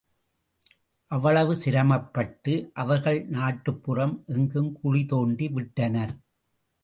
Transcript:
அவ்வளவு சிரமப்பட்டு, அவர்கள் நாட்டுப்புறம் எங்கும் குழிதோண்டி விட்டனர்.